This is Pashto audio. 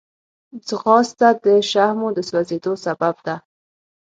ځغاسته د شحمو د سوځېدو سبب ده